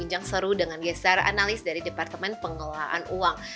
jenjang seru dengan geser analis dari departemen pengelolaan uang